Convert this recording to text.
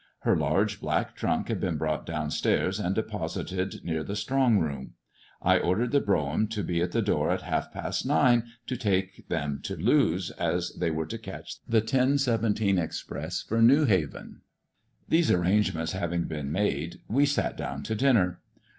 Her large black trunk had been broaght down stairs, and deposited near the strong room, X ordered the brougham to be at the door at half past nine, to take them to Lewes, as they were to catch the ten seventeen express for Newhaven. These arrangements having been made, we sat down to dinner.